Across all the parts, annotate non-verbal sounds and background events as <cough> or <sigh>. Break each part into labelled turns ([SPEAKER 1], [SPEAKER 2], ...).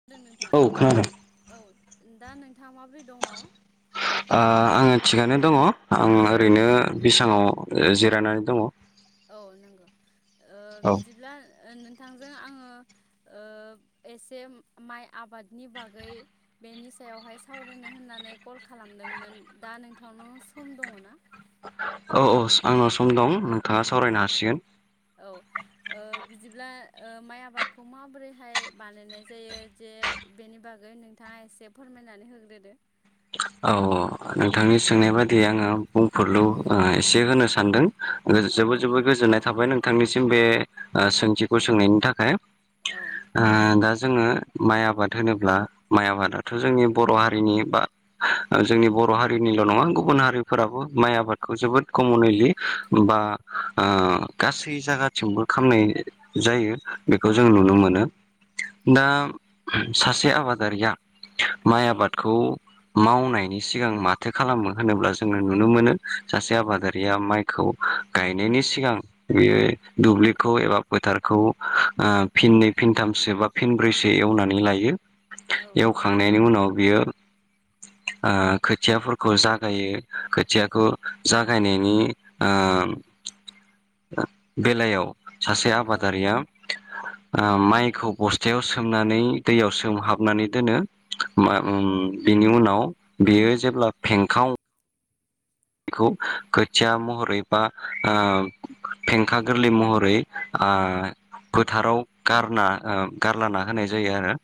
[SPEAKER 1] होनदों नोंथां
[SPEAKER 2] औ खोनादों।
[SPEAKER 1] औ दा नोंथाङा माबोरै दङ
[SPEAKER 2] आं आङो थिगानो दङ आं ओरैनो बेसाङाव जिरायनानै दङ
[SPEAKER 1] औ नंगौ ओ
[SPEAKER 2] औ
[SPEAKER 1] बिदिब्ला नोंथांजों आङो ओ एसे माइ आबादनि बागै बेनि सायावहाय सावरायनो होननानै कल खालामदोंमोन दा नोंथांनाव सम दङ ना
[SPEAKER 2] औ औस आंनाव सम दं नोंथाङा सावरायनो हासिगोन
[SPEAKER 1] औ ओ बिदिब्ला ओ माइ आबादखौ माबोरैहाय बानायनाय जायो जे बेनि बागै नोंथाङा एसे फोरमायनानै होग्रोदो
[SPEAKER 2] औ औ नोंथांनि सोंनाय बादियै आङो बुंफोरलु एसे होनो सानदों
[SPEAKER 1] औ
[SPEAKER 2] जोबोद जोबोद
[SPEAKER 1] नोंथां
[SPEAKER 2] गोजोननाय थाबाय नोंथांनिसिम बे सोंथिखौ सोंनायनि थाखाय
[SPEAKER 1] औ
[SPEAKER 2] ओ दा जोङो माइ आबाद होनोब्ला माइ आबादाथ' जोंनि बर' हारिनि बा जोंनि बर' हारिनिल' नङा गुबुन हारिफोराबो माइ आबादखौ जोबोद कमनिलि बा ओ गासै जायगाथिंबो खामनाय जायो बेखौ जों
[SPEAKER 1] औ
[SPEAKER 2] नुनो
[SPEAKER 1] नंगौ
[SPEAKER 2] मोनो दा सासे आबादारिया माइ
[SPEAKER 1] औ
[SPEAKER 2] आबादखौ मावनायनि सिगां माथो खालामो होनोब्ला जोङो नुनो मोनो सासे आबादारिया माइखौ गायनायनि सिगां बेयो दुब्लिखौ एबा फोथारखौ ओ फिननै फिनथामसोबा फिनब्रैसो एवनानै लायो
[SPEAKER 1] औ
[SPEAKER 2] एवखांनायनि उनाव बियो ओ खोथियाफोरखौ जागायो खोथियाखौ जागायनायनि ओ ओ बेलायाव सासे
[SPEAKER 1] औ
[SPEAKER 2] आबादारिया ओ माइखौ बस्थायाव सोमनानै दैयाव सोमहाबनानै दोनो मा
[SPEAKER 1] औ नंगौ
[SPEAKER 2] ओम बिनि उनाव बेयो जेब्ला फेंखाव खौ खोथिया महरै बा ओ फेंखा गोरलै महरै आ फोथाराव गारना ओ गारलाना होनाय जायो आरो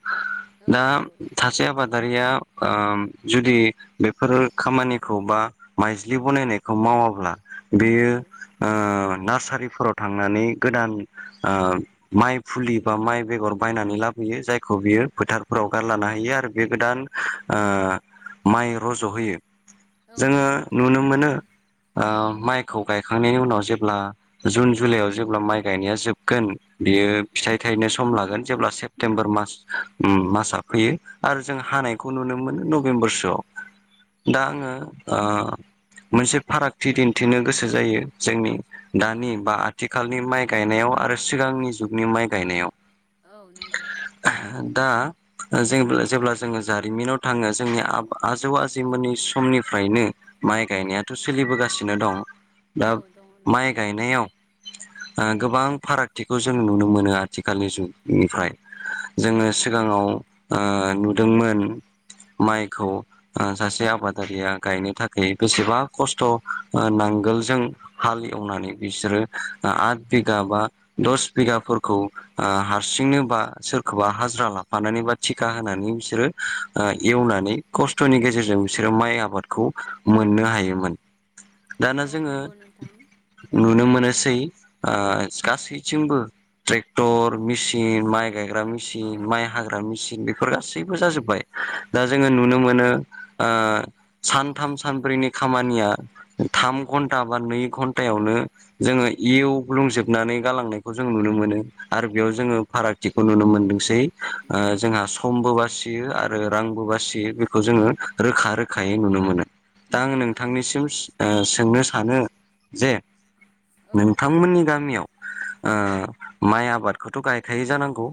[SPEAKER 1] औ
[SPEAKER 2] दा
[SPEAKER 1] नंगौ
[SPEAKER 2] सासे आबादारिया ओ जुदि बेफोर खामानिखौ बा माइज्लि बनायनायखौ मावा अब्ला
[SPEAKER 1] औ
[SPEAKER 2] बेयो ओ नार्सारिफोराव थांनानै गोदानओ। माइ फुलि बा माइ बेगर बायनानै लाबोयो जायखौ बियो फोथारफोराव गारलानो हायो आरो बे गोदान। ओ माइ रज' होयो।
[SPEAKER 1] औ
[SPEAKER 2] जोङो
[SPEAKER 1] नंगौ नोंथां
[SPEAKER 2] नुनो मोनो ओ माइखौ गायखांनायनि उनाव जेब्ला जुन जुलाइआव जेब्ला माइ गायनाया जोबगोन। बियो
[SPEAKER 1] औ
[SPEAKER 2] फिथाइ थायनो सम लागोन जेब्ला सेप्तेम्बर मास मासआ फोयो आरो जों
[SPEAKER 1] औ
[SPEAKER 2] हानायखौ नुनो मोनो नभेम्बरसोआव
[SPEAKER 1] औ
[SPEAKER 2] दा आङो।
[SPEAKER 1] नंगौ
[SPEAKER 2] ओ मोनसे फारागथि दिन्थिनो गोसो जायो जोंनि दानि बा आथिखालनि माइ गायनायाव आरो सिगांनि जुगनि माइ गायनायाव।
[SPEAKER 1] औ नंगौ।
[SPEAKER 2] दा ज जेब्ला जोङो जारिमिनाव थाङो जोंनि आ आजौ आजौमोननि समनिफ्रायनो माइ गायनायाथ' सोलिबोगासिनो दं दा
[SPEAKER 1] औ दङ
[SPEAKER 2] माइ
[SPEAKER 1] नोंथां
[SPEAKER 2] गायनायाव ओ गोबां फारागथिखौ जों नुनो मोनो आथिखालनि जुगनिफ्राय।
[SPEAKER 1] औ
[SPEAKER 2] जोङो
[SPEAKER 1] नंगौ
[SPEAKER 2] सिगाङाव ओ नुदोंमोन माइखौ सासे आबादारिया गायनो थाखाय बेसेबा खस्थ' नांगोलजों हाल एवनानै बिसोरो आद बिगा बा दस बिगाफोरखौ हारसिंनो बा सोरखौबा हाजिरा ला नानै बा थिखा होनानै बिसोरो एवनानै खस्थ'नि गेजेरजों बिसोरो माइ आबादखौ मोननो हायोमोन। दाना
[SPEAKER 1] औ
[SPEAKER 2] जोङो
[SPEAKER 1] नंगौ नोंथां
[SPEAKER 2] नुनो मोनोसै ओ गासैथिंबो ट्रेक्टर मेचिन माइ गायग्रा मेचिन माइ हाग्रा मेचिन बेफोर गासैबो जाजोब्बाय। दा जोङो
[SPEAKER 1] औ
[SPEAKER 2] नुनो
[SPEAKER 1] नंगौ
[SPEAKER 2] मोनो। ओ सथाम सानब्रैनि खामानिया थाम घन्टा बा नै घन्टायावनो जोङो इउ ब्लुंजोबनानै गालांनायखौ नुनो मोनो। आरो बेयाव जोंङोफारागथिखौनुनो मोनो। समबो बासियो आरो रांबो बासियो बेखौ जोङो रोखा रोखायै नुनो मोनो। दा आं
[SPEAKER 1] औ नंगौ नोंथां
[SPEAKER 2] नोंथांनिसिम ओ सोंनो सानो जे
[SPEAKER 1] औ
[SPEAKER 2] नोंथांमोननि गामियाव ओ
[SPEAKER 1] औ
[SPEAKER 2] माइ आबादखौथ' गायखायै जानांगौ?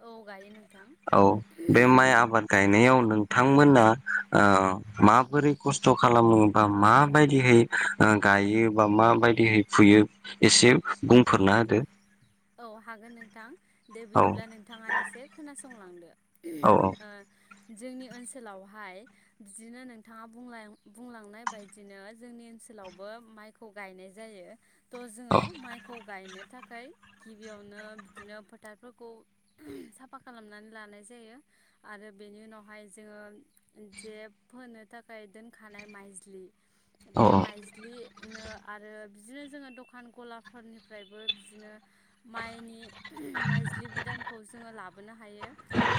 [SPEAKER 1] औ गायो नोंथां
[SPEAKER 2] औ बे माइ आबाद गायनायाव नोंथांमोना ओ माबोरै खस्थ' खालामोबा माबायदिहै गायो बा माबायदिहै फुयो? एसे बुंफोरना होदो।
[SPEAKER 1] औ हागोन नोंथां दे
[SPEAKER 2] औ
[SPEAKER 1] बिदिब्ला नोंथाङा एसे खोनासंलांदो।
[SPEAKER 2] औ
[SPEAKER 1] ओ जोंनि ओनसोलावहाय बिदिनो नोंथाङा बुंलां-बुंलांनाय बायदिनो जोंनि ओनसोलावबो माइ खौ गायनाय जायो। थ'
[SPEAKER 2] औ
[SPEAKER 1] जोङो माइखौ गायनो थाखाय गिबियावनो बिदिनो फोथारफोरखौ साफा खालामनानै लानाय जायो। आरो बेनि उनावहाय जोङो जे फोनो थाखाय दोनखानाय माइज्लि बे माइज्लि नो आरो बिदिनो जोङो दखान गलाफोरनिफ्रायबो बिदिनो माइनि माइज्लि बिदानखौ जोङो लाबोनो हायो।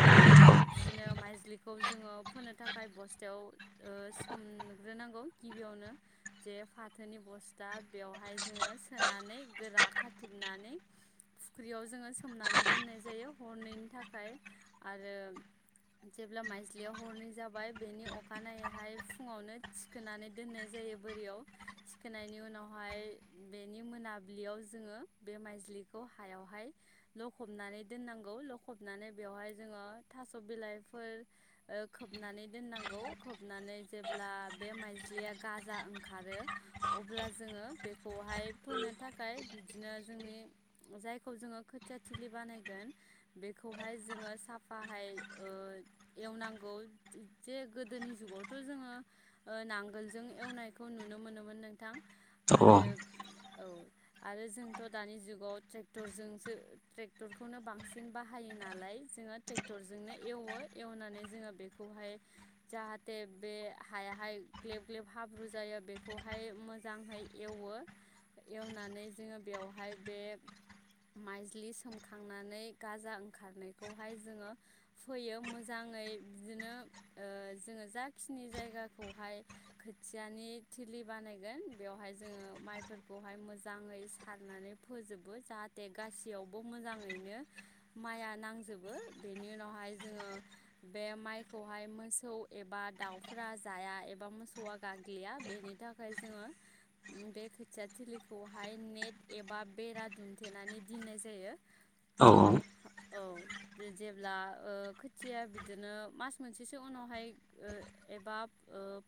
[SPEAKER 1] आरो बिदिनो माइज्लिखौ जोङो फोननो थाखाय बस्थायाव ओ सोमग्रोनांगौ गिबियावनो। जे फाथोनि बस्था बेवहाय जोङो सोनानै गोरा खाथुमनानै फुख्रियाव जोङो सोमनानै दोननाय जायो हरैनायनि थाखाय। आरो जेब्ला माइजलियाव हरनै जाबाय बेनि अखानायैहाय फुङावनो थि खोनानै दोननाय जायो बोरियाव थिखोनायनि उनावहाय बेनि मोनाबिलियाव जोङो बे माइ ज्लिखौ हायावहाय लखबनानै दोननांगौ लखबनानै बेवहाय जोङो थास' बिलाइफोर खोबनानै दोननांगौ खोबनानै जेब्ला बे माइज्लिया गाजा ओंखारो अब्ला जोङो बेखौहाय फोनो थाखाय बिदिनो जोंनि जायखौ जोङो खोथिया थिलि बानायगोन बेखौहाय जोङो साफाहाय ओ एवनांगौ जे गोदोनि जुगावथ' जोङो नांगोलजों एवनायखौ नुनो मोनोमोन नोंथां आरो औ आरो जोंथ' दानि जुगाव ट्रेक्टरजोंसो ट्रेक्टरखौनो बांसिन बाहायो नालाय जोङो ट्रेक टरजोंनो एवो एवनानै जोङो बेखौहाय जाहाथे बे हायाहाय ग्लेब ग्लेब हाब्रु जायो बेखौहाय मोजांहै एवो एवनानै जोङो बेवहाय बे माइज्लि सोमखांनानै गाजा ओंखारनायखौहाय जोङो फैयो मोजाङै बिदिनो जोङो जाखिनि जायगाखौहाय खोथियानि थिलि बानायगोन बेवहाय जोङो माइफोरखौहाय मोजाङै सारनानै फोजोबो जाहाथे गासैयावबो मोजाङैनो माइआ नांजोबो बेनि उनावहाय जोङो बे माइखौहाय मोसौ एबा दाउफ्रा जाया एबा मोसौआ गाग्लिया बेनि थाख खाय जोङो बे खोथिया थिलिखौहाय नेट एबा बेरा दुमथेनानै दोननाय जायो।
[SPEAKER 2] औ औ
[SPEAKER 1] औ जेब्ला खोथिया बिदिनो मास मोनसेसो उनावहाय एबा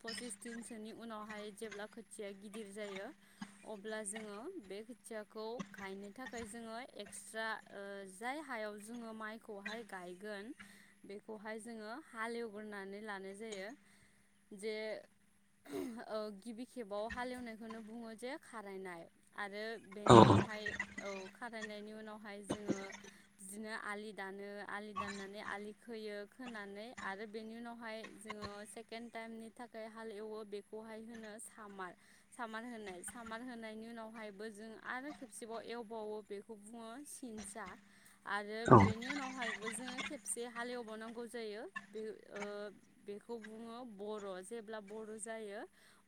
[SPEAKER 1] फसिस दिनसोनि उनावहाय जेब्ला खोथिया गिदिर जायो अब्ला जोङो बे खोथियाखौ गायनो थाखाय जोङो एक्सट्रा जाय हायाव जोङो माइखौहाय गायगोन बेखौहाय जोङो हालेवग्रोनानै लानाय जायो जे गिबि खेबाव हालेवनायखौनो बुङो जे खारायनाय आरो
[SPEAKER 2] औ
[SPEAKER 1] बेनि उनावहाय औ खारायनायनि उनावहाय जोङो बिदिनो आलि दानो आलि दाननानै आलि खोयो खोनानै आरो बेनि उनावहाय जोङो सेकेन्ड टाइमनि थाखाय हाल एवो बेखौहाय होनो सामार सामार होनाय सामार होनायनि उनावहायबो जों आरो खेबसेबाव एवबावो बेखौ बुङो सिनसा आरो बेनि उनावहायबो जोङो खेबसे हालेवबावनांगौ जायो बे बेखौ बुङो बर' जेब्ला बर' जायो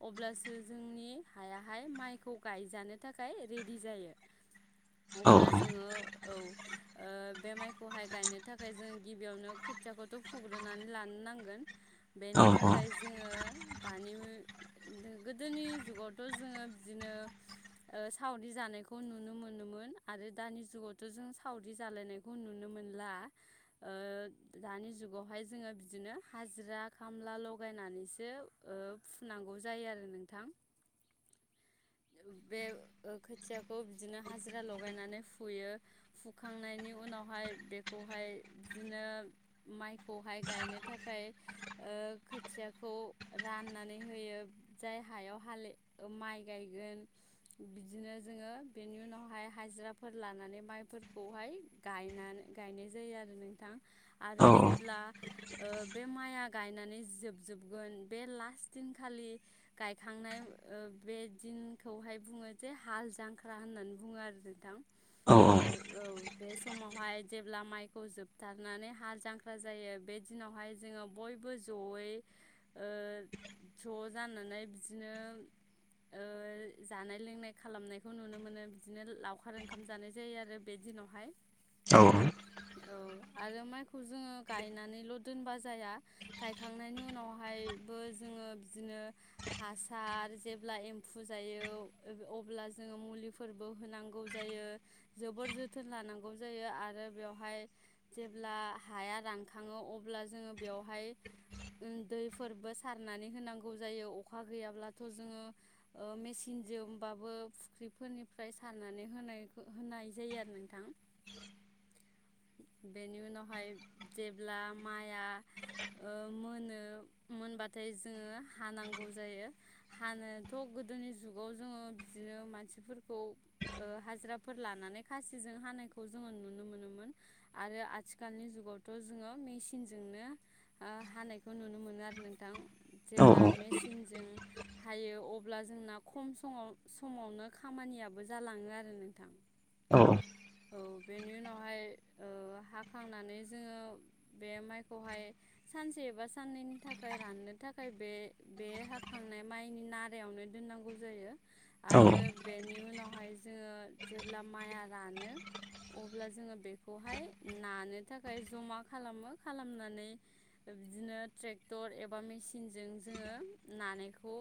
[SPEAKER 1] अब्लासो जोंनि हायाहाय माइखौ गायजानो थाखाय रेडि जायो।
[SPEAKER 2] औ
[SPEAKER 1] अब्ला जोङो औ बे माइखौहाय गायनो थाखाय जों गिबियावनो खोथियाखौथ' फुग्रोनानै लानो नांगोन
[SPEAKER 2] औ
[SPEAKER 1] बेनि
[SPEAKER 2] औ
[SPEAKER 1] थाखाय जोङो दानि गोदोनि जुगावथ' जोङो बिदिनो सावरि जानाय खौ नुनो मोनोमोन आरो दानि जुगावथ' जों सावरि जालायनायखौ नुनो मोनला। दानि जुगावहाय जोङो बिदिनो हाजिरा खामला लगायनानैसो फुनांगौ जायो आरो नोंथां। बे खोथियाखौ बिदिनो हाजिरा लगायनानै फुयो। फुखांनायनि उनावहाय बेखौहाय बिदिनो माइखौहाय गायनो थाखाय खोथियाखौ राननानै होयो जाय हायाव हाले ओ माइ गायगोन बिदिनो जोङो बेनि उनावहाय हाजिराफोर लानानै माइफोरखौहाय गायनान गायनाय जायो आरो नों थां आरो जेब्ला ओ बे माइआ गायनानै जोबजोबगोन बे लास्ट दिनखालि गायखांनाय ओ बे दिनखौहाय बुङो जे हाल जांख्रा होननानै बुङो आरो नोंथां औ औ बे समावहाय जेब्ला माइखौ जोबथारनानै हाल जांख्रा जायो बे दिनावहाय जोङो बयबो जयै ओ ज' जानानै बिदिनो ओ जानाय लोंनाय खालामनाय खौ नुनो मोनो बिदिनो लावखार ओंखाम जानाय जायो आरो बे दिनावहाय
[SPEAKER 2] औ
[SPEAKER 1] औ आरो माइखौ जोङो गायनानैल' दोनबा जाया गायखांनायनि उनावहायबो जोङो बिदिनो हासार जेब्ला एम्फौ जायो अ-अब्ला जोङो मुलिफोरबो होनांगौ जायो जोबोर जोथोन लानांगौ जायो आरो बेवहाय जेब्ला हाया रानखाङो अब्ला जोङो बेवहाय उम दैफोरबो सारनानै होनांगौ जायो अखा गैयाब्लाथ' जोङो ओ मेसिनजोंबाबो फु ख्रिफोरनिफ्राय सारनानै होनायखो होनाय जायो आरो नोंथां। बेनि उनावहाय जेब्ला माइआ ओ मोनो मोनबाथाय जोङो हानांगौ जायो। हानोथ' गोदोनि जुगाव जोङो बिदिनो मानसिफोरखौ ओ हाजिराफोर लानानै खासिजों हानायखौ जोङो नुनो मोनोमोन। आरो आथिखालनि जुगावथ' जोङो मेचिनजोंनो ओ हानायखौ नुनो मोनो आरो नोंथां। जेब्ला मेसिनजों हायो अब्ला जोंना खम समाव समावनो खामानियाबो जालाङो आरो नोंथां।
[SPEAKER 2] औ।
[SPEAKER 1] औ बेनि उनावहाय ओ हाखांनानै जोङो बे माइखौहाय सानसे एबा साननैनि थाखाय राननो थाखाय बे बे हाखांनाय माइनि नार राआवनो दोननांगौ जायो आरो बेनि उनावहाय जोङो जेब्ला माइआ रानो अब्ला जोङो बेखौहाय नानो थाखाय जमा खालामो खालामनानै ओ बिदिनो ट्रेक्टर एबा मेसिनजों जोङो नानायखौ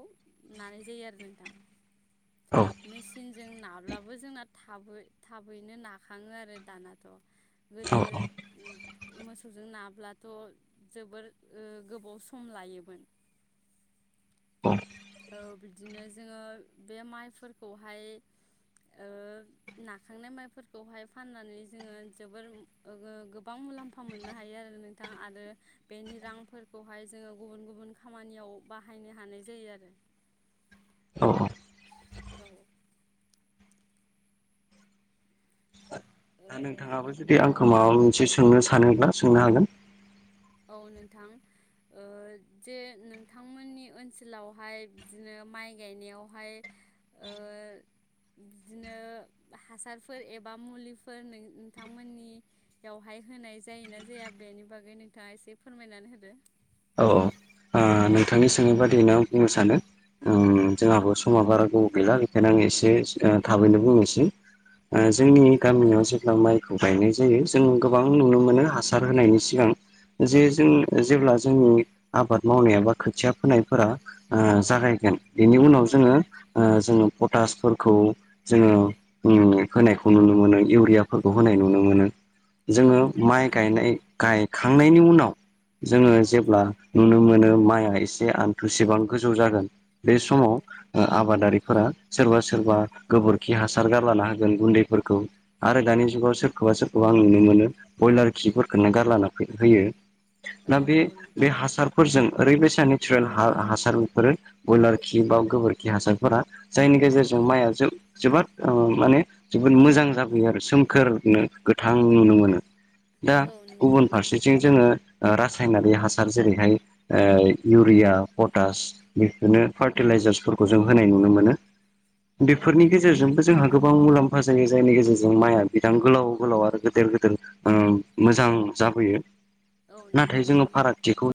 [SPEAKER 1] नानाय जायो आरो नोंथां। मेसिनजों नाब्लाबो जोंना थाबै थाबैनो नाखाङो आरो दानाथ'।
[SPEAKER 2] औ
[SPEAKER 1] गोदो उम मोसौजों नाब्लाथ' जोबोर ओ गोबाव सम लायोमोन। औ बिदिनो जोङो बे माइफोर खौहाय ओ नाखांनाय माइफोरखौहाय फाननानै जोङो जोबोर ओ गो-गोबां मुलाम्फा मोननो हायो आरो नों थां आरो बेनि रांफोरखौहाय जोङो गुबुन गुबुन खामानियाव बाहायनो हानाय जायोआरो।
[SPEAKER 2] औ औ।
[SPEAKER 1] औ औ।
[SPEAKER 2] दा
[SPEAKER 1] ओ
[SPEAKER 2] नोंथाङाबो जुदि आंखौ माबा मोनसे सोंनो सानोब्ला सोंनो हागोन।
[SPEAKER 1] औ नोंथां। ओ जे नोंथांमोननि ओनसोलावहाय बिदिनो माइ गायनायावहाय ओ बिदिनो हासारफोर एबा मुलिफोर नों नोंथांमोननि बेवहाय होनाय जायोना जाया बेनि बागै नों थाङा एसे फोरमायनानै होदो।
[SPEAKER 2] औ औ ओ नोंथांनि सोंनाय बादियैनो आं बुंनो सानो
[SPEAKER 1] औ
[SPEAKER 2] उम जोंहाबो समा बारा गोबाव गैला। बेखायनो आं एसे ओ थाबैनो बुंनोसै ओ
[SPEAKER 1] औ नंगौ
[SPEAKER 2] जोंनि
[SPEAKER 1] नोंथां
[SPEAKER 2] गामियाव जेब्ला माइखौ गायनाय जायो जों गोबां नुनो मोनो हासार होनायनि सिगां जे जों जेब्ला जोंनि आबाद मावनाया बा खोथिया फोनायफोरा ओ
[SPEAKER 1] औ
[SPEAKER 2] जागायगोन बेनि उनाव
[SPEAKER 1] औ
[SPEAKER 2] जोङो ओ जोङो पटासफोरखौ जोङो <unintelligible> होनायखौ नुनो मोनो, इउरियाफोरखौ होनाय नुनो मोनो।
[SPEAKER 1] औ
[SPEAKER 2] जोङो
[SPEAKER 1] नंगौ
[SPEAKER 2] माइ
[SPEAKER 1] नोंथां
[SPEAKER 2] गायनाय, गायखांनायनि उनाव जोङो
[SPEAKER 1] औ
[SPEAKER 2] जेब्ला नुनो मो नो माइआ एसे आन्थुसेबां गोजौ जागोन बे
[SPEAKER 1] औ
[SPEAKER 2] समाव ओ आबादारिफोरा सोरबा सोरबा गोबोरखि हासार गारलाना होगोन गुन्दैफोरखौ आरो दानि जुगाव सोरखौबा सोरखौबा आं नुनो मोनो बयलार खिफोरखौनो गारलाना फो होयो।
[SPEAKER 1] औ
[SPEAKER 2] दा बे
[SPEAKER 1] नंगौ
[SPEAKER 2] बे
[SPEAKER 1] नोंथां
[SPEAKER 2] हासार फोरजों ओरैबायसा नेचारेल हा-हासार बेफोरो बयलार खि बा गोबोरखि हासारफोरा जायनि
[SPEAKER 1] औ
[SPEAKER 2] गेजेरजों माइआ जौ जोबोद ओ माने जोबोद मोजां जाबोयो आरो सोमखोरनो गोथां नुनो मोनो। दा
[SPEAKER 1] औ नंगौ
[SPEAKER 2] गुबुन
[SPEAKER 1] नोंथां
[SPEAKER 2] फारसेथिं जोङो रासायनारि हासार जेरैहाय ओ इउरिया, पटास बेफोरनो फार्टिलाइजार्सफोरखौ जों होनाय नुनो मोनो।
[SPEAKER 1] औ
[SPEAKER 2] बेफोरनि गेजेरजोंबो जोंहा गोबां मुलाम्फा जोंनि जायनि गेजेरजों माइया बिदां गोलाव गोलाव आरो गोदोर गोदोर उम मोजां जाबोयो।
[SPEAKER 1] औ नंगौ
[SPEAKER 2] नाथाय जोङो
[SPEAKER 1] नोंथां
[SPEAKER 2] फारागथिखौ